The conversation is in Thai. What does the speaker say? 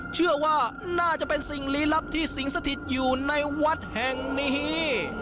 เชื่อว่าน่าจะเป็นสิ่งลี้ลับที่สิงสถิตอยู่ในวัดแห่งนี้